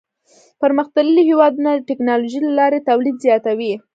پرمختللي هېوادونه د ټکنالوژۍ له لارې تولید زیاتوي.